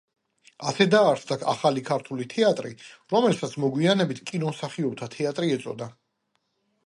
ასე დაარსდა ახალი ქართული თეატრი, რომელსაც მოგვიანებით კინომსახიობთა თეატრი ეწოდა.